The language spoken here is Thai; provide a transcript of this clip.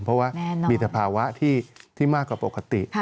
เพราะว่ามีแต่ภาวะที่มากกว่าปกติ